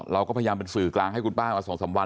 เราก็พยายามเป็นสื่อกลางให้คุณป้ามา๒๓วัน